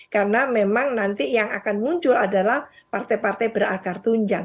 karena memang nanti yang akan muncul adalah partai partai berakar tunjang